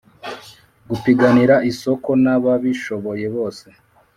gupiganira isoko n'ababishoboye bose